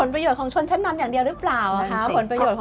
ประโยชน์ของชนชั้นนำอย่างเดียวหรือเปล่า